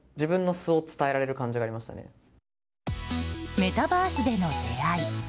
メタバースでの出会い。